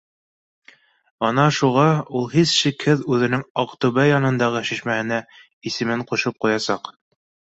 Ана шуға ул һис шикһеҙ үҙенең Аҡтүбә янындағы шишмәһенә исемен ҡушып ҡуясаҡ